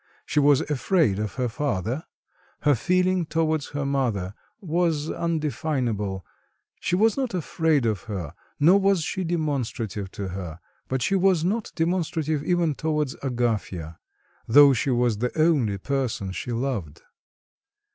She was afraid of her father; her feeling towards her mother was undefinable, she was not afraid of her, nor was she demonstrative to her; but she was not demonstrative even towards Agafya, though she was the only person she loved.